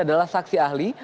adalah saksi ahli